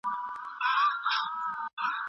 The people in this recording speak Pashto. له ناروغ څخه پوښتنه وکړئ.